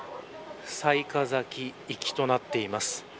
雑賀崎行きとなっています。